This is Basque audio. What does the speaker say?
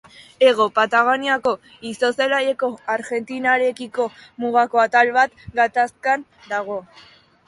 Hego Patagoniako izotz-zelaiko Argentinarekiko mugako atal bat gatazkan dago.